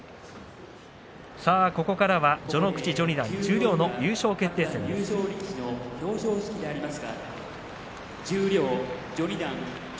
ここからは序ノ口、序二段、十両の優勝決定戦です。